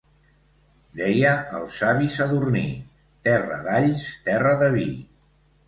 Deia el savi Sadurní: –Terra d'alls, terra de vi.